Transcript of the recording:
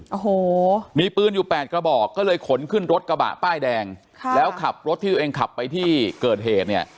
โอ้โหมีปืนอยู่แปดกระบอกก็เลยขนขึ้นรถกระบะป้ายแดงค่ะแล้วขับรถที่ตัวเองขับไปที่เกิดเหตุเนี่ย